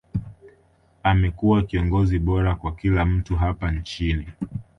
amekuwa kiongozi bora kwa kila mtu hapa nchini